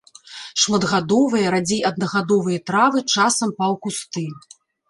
Шматгадовыя, радзей аднагадовыя травы, часам паўкусты.